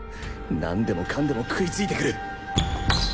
なんでもかんでも食いついてくる。